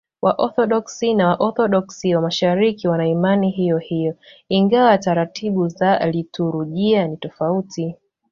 Waorthodoksi na Waorthodoksi wa Mashariki wana imani hiyohiyo, ingawa taratibu za liturujia ni tofauti.